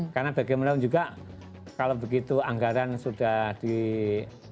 karena bagaimana juga kalau begitu anggaran sudah dialami